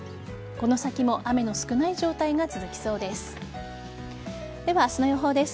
この先も雨の少ない状態が続きそうです。